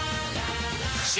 「新！